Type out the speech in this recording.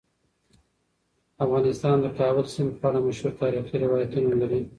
افغانستان د د کابل سیند په اړه مشهور تاریخی روایتونه لري.